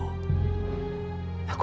kamu harus melepaskanku